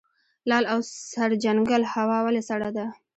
لعل او سرجنګل هوا ولې سړه ده؟